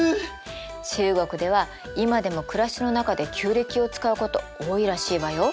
中国では今でも暮らしの中で旧暦を使うこと多いらしいわよ。